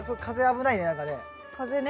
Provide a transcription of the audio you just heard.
風ね。